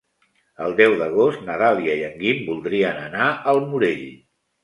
El deu d'agost na Dàlia i en Guim voldrien anar al Morell.